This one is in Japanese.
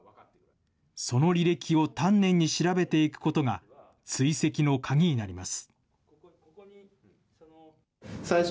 その履歴を丹念に調べていくことが、追跡の鍵になります。